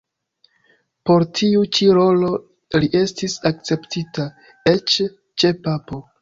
Por tiu ĉi rolo li estis akceptita eĉ ĉe papo.